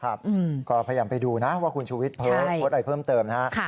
ครับก็พยายามไปดูนะว่าคุณชูวิทย์โพสต์โพสต์อะไรเพิ่มเติมนะฮะ